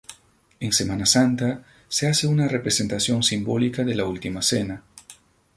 En Semana Santa se hace una representación simbólica de La Última Cena.